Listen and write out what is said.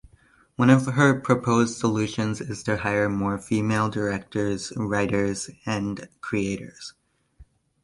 One of her proposed solutions is to hire more female directors, writers, and creators.